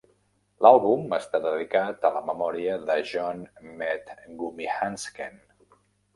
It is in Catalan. L'àlbum està dedicat a la memòria de John Med Gummihandsken.